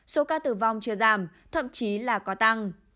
số ca tử vong chưa giảm thậm chí là có tăng